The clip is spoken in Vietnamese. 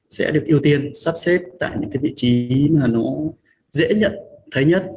sẽ được ưu tiên sắp xếp tại những vị trí dễ nhận thấy nhất